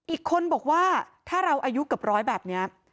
อีกคนบอกว่าถ้าเราอายุเกือบร้อยแบบนี้